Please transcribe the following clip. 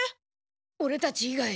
オレたち以外。